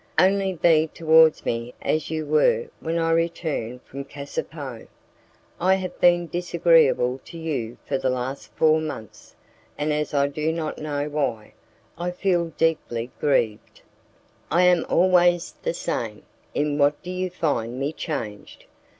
"Only be towards me as you were when I returned from Casopo. I have been disagreeable to you for the last four months, and as I do not know why, I feel deeply grieved." "I am always the same: in what do you find me changed?"